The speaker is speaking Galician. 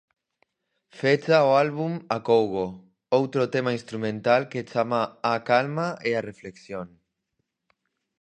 Fecha o álbum Acougo, outro tema instrumental que chama á calma e a reflexión.